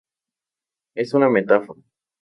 Es una metáfora.